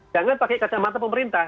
jangan pakai kacamata pemerintah